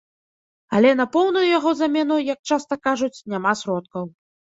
Але на поўную яго замену, як часта кажуць, няма сродкаў.